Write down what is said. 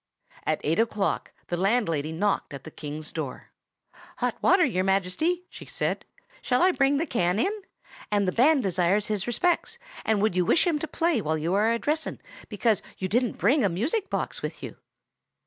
At eight o'clock the landlady knocked at the King's door. "Hot water, Your Majesty," she said. "Shall I bring the can in? And the Band desires his respects, and would you wish him to play while you are a dressing, being as you didn't bring a music box with you?"